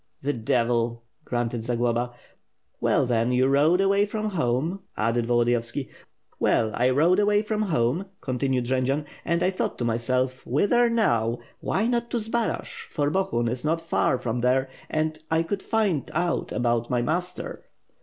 "The devil!" grunted Zagloba. "Well, then, you rode away from home ..." added Volodiyovski. "Well, I rode away from home," continued Jendzian, "and I thought to myself, Vhither now? why not to Zbaraj, for Bohun is not far from there and I could find out about my master?'